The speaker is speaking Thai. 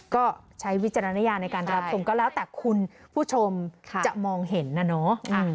ก็ใช้วิจารณญาณในการรับชมก็แล้วแต่คุณผู้ชมจะมองเห็นนะเนาะ